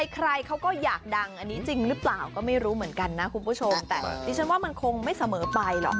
ใครเขาก็อยากดังอันนี้จริงหรือเปล่าก็ไม่รู้เหมือนกันนะคุณผู้ชมแต่ดิฉันว่ามันคงไม่เสมอไปหรอก